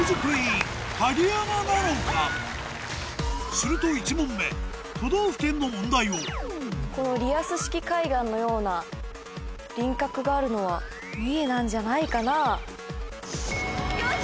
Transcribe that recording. すると１問目都道府県の問題をこのリアス式海岸のような輪郭があるのは三重なんじゃないかなぁ。